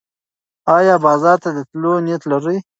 ایا بازار ته د تلو نیت لرې؟